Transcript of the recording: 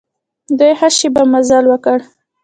دوی ښه شېبه مزل وکړ.